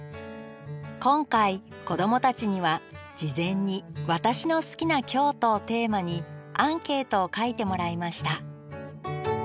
今回子どもたちには事前に「私の好きな京都」をテーマにアンケートを書いてもらいました。